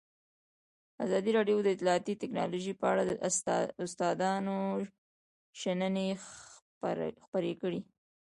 ازادي راډیو د اطلاعاتی تکنالوژي په اړه د استادانو شننې خپرې کړي.